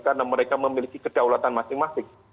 karena mereka memiliki kedaulatan masing masing